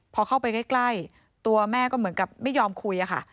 พอเข้าไปใกล้ตัวแม่ก็เหมือนกับไม่ยอมคุยค่ะ